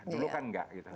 dulu kan nggak gitu